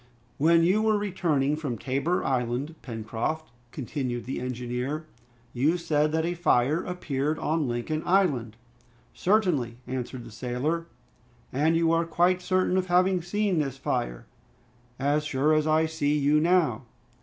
"When you were returning from Tabor Island, Pencroft," continued the engineer, "you said that a fire appeared on Lincoln Island?" "Certainly," answered the sailor. "And you are quite certain of having seen this fire?" "As sure as I see you now."